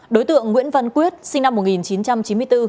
đối tượng nguyễn văn quyết sinh năm một nghìn chín trăm chín mươi bốn